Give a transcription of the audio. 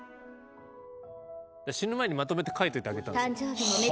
死ぬ前にまとめて書いといてあげたんです。